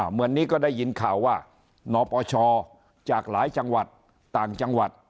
เหมือนนี้ก็ได้ยินข่าวว่านปชจากหลายจังหวัดต่างจังหวัด